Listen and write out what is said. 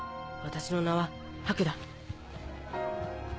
私の名はハクだ。